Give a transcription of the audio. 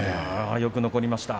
よく残りました。